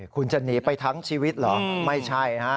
คุณจะหนีไปทั้งชีวิตเหรอไม่ใช่ฮะ